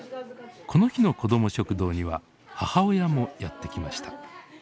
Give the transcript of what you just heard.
この日の子ども食堂には母親もやって来ました。